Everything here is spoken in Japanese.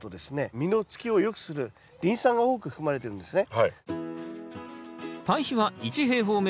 実のつきをよくするリン酸が多く含まれてるんですね。